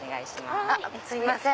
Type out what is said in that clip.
すいません。